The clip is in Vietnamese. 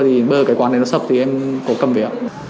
thì bây giờ cái quán này nó sập thì em có cầm về